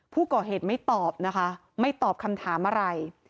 ผู้ก่อเหตุไม่ตอบนะคะไม่ตอบคำถามอะไร